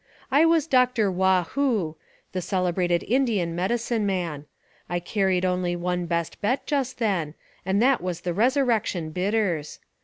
"I was Dr. Waugh hoo, the celebrated Indian medicine man. I carried only one best bet just then, and that was Resurrection Bitters.